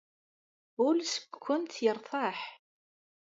Ul seg-kent yertaḥ.